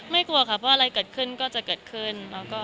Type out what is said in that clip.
กลัวค่ะเพราะอะไรเกิดขึ้นก็จะเกิดขึ้น